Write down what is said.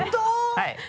はい。